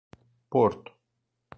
Porto